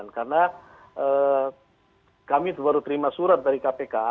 karena kami baru terima surat dari kpk